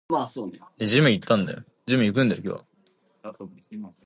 She also actively supported women to pursue science.